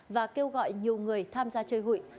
và kêu gọi nhiều người tham gia chơi hụi